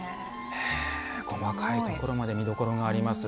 細かいところまで見どころがあります。